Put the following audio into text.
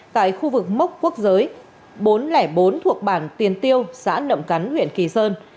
tại khu vực mốc quốc giới bốn trăm linh bốn thuộc bản tiền tiêu xã nậm cắn huyện kỳ sơn